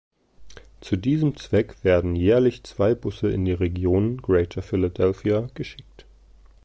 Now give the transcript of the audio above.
Zu diesem Zweck werden jährlich zwei Busse in die Region Greater Philadelphia geschickt.